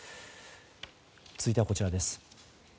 続いてはこちらです。